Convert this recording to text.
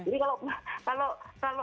jadi kalau misalnya